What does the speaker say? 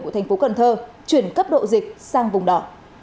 cần thơ đã chuyển cấp độ dịch sang vùng đỏ